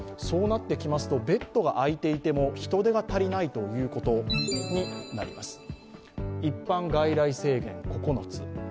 そうなってきますとベッドが空いていても人手が足りないということになります。